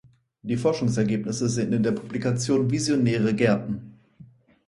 Die Forschungsergebnisse sind in der Publikation "Visionäre Gärten.